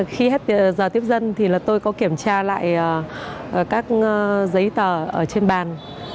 khi hết giờ tiếp dân thì là tôi có kiểm tra lại các giấy tờ ở trên bàn